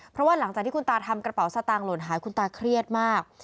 เพราะว่าหลังจากที่คุณตาทำกระเป๋าสตางคลนหายคุณตาเครียดมาก